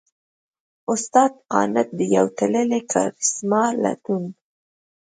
استاد قانت؛ د يوې تللې کارېسما لټون!